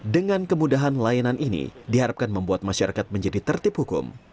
dengan kemudahan layanan ini diharapkan membuat masyarakat menjadi tertib hukum